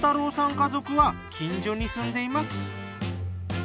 家族は近所に住んでいます。